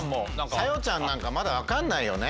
桜代ちゃんなんかまだわかんないよね。